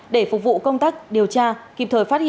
để phục vụ công tác điều tra kịp thời phát hiện